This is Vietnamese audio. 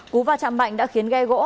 cú va chạm mạnh đã khiến ghe gỗ